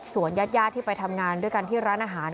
ส่วนญาติที่ไปทำงานด้วยกันที่ร้านอาหาร